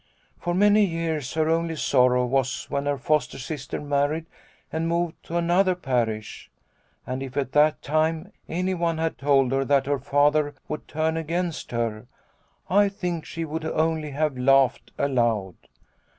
For many years her only sorrow was when her foster sister married and moved to another parish. And if at that time anyone had told her that her Father would turn against her, I think she would only have laughed aloud.